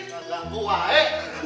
gak ganggu ae